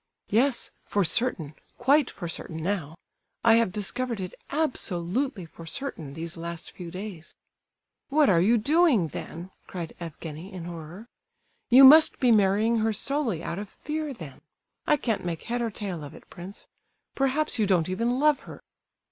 "Yes, for certain—quite for certain, now! I have discovered it absolutely for certain, these last few days." "What are you doing, then?" cried Evgenie, in horror. "You must be marrying her solely out of fear, then! I can't make head or tail of it, prince. Perhaps you don't even love her?"